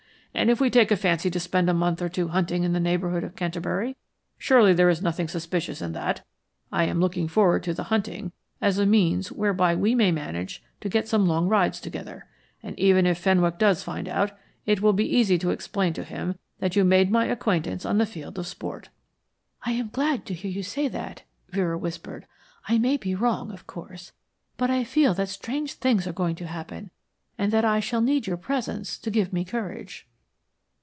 And if we take a fancy to spend a month or two hunting in the neighborhood of Canterbury, surely there is nothing suspicious in that. I am looking forward to the hunting as a means whereby we may manage to get some long rides together. And even if Fenwick does find it out, it will be easy to explain to him that you made my acquaintance on the field of sport." "I am glad to hear you say that," Vera whispered. "I may be wrong, of course, but I feel that strange things are going to happen, and that I shall need your presence to give me courage."